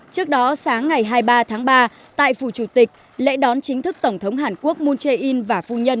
trước đó sáng ngày hai mươi ba tháng ba tại phủ chủ tịch lễ đón chính thức tổng thống hàn quốc moon jae in và phu nhân